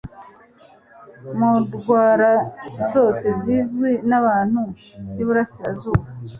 Mu ndwara zose zizwi n'abantu b'iburasirazuba,